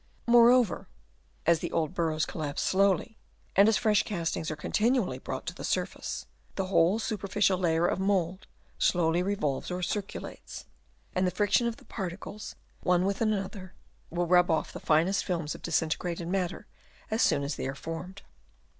Moreover as the old burrows slowly collapse, and as fresh castings are continually brought to the surface, the whole superficial layer of mould slowly re volves or circulates ; and the friction of the particles one with another will rub off the finest films of disintegrated matter as soon as they are formed.